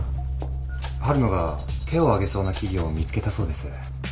春野が手を挙げそうな企業を見つけたそうです。